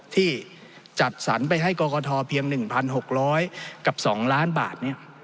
ที่จัดสรรไปให้กรกฐเพียง๑๖๐๐กับ๒ล้านบาท